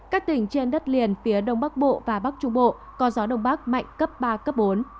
các tỉnh trên đất liền phía đông bắc bộ và bắc trung bộ có gió đông bắc mạnh cấp ba cấp bốn